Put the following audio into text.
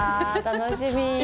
楽しみ。